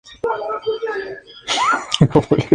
Además es padre de la cantante Jeannie Hsieh.